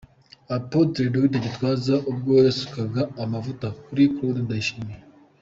Apotre Dr Gitwaza ubwo yasukaga amavuta kuri Claude Ndayishimiye.